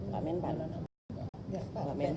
pak men pak men